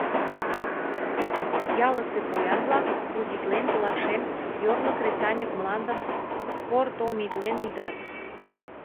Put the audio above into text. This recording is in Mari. Ялысе поян-влак удитлен толашен, йорло кресаньык мландым кортомитлен ӱдат.